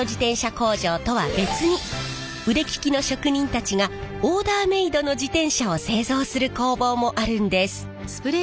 工場とは別に腕利きの職人たちがオーダーメードの自転車を製造する工房もあるんです。